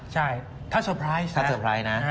ใช่ถ้าเซอร์ไพรส์ถ้าเตอร์ไพรส์นะ